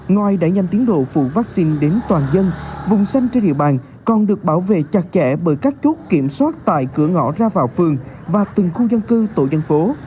ngoài đẩy nhanh tiến độ phủ vaccine đến toàn dân vùng xanh trên địa bàn còn được bảo vệ chặt chẽ bởi các chốt kiểm soát tại cửa ngõ ra vào phường và từng khu dân cư tổ dân phố